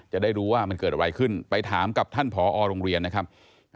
จะได้รู้ว่ามันเกิดอะไรขึ้นไปถามกับท่านผอโรงเรียนนะครับ